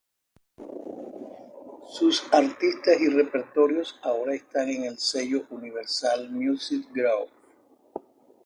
Sus artistas y repertorio ahora están en el sello Universal Music Group.